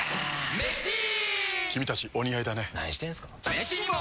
メシにも！